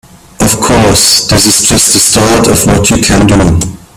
Of course, this is just the start of what you can do.